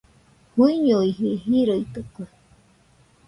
Juñoiji joroitɨkue.